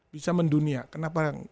bisa mendunia kenapa